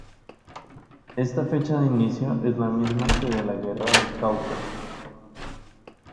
Esta fecha de inicio es la misma que de la guerra del Cáucaso.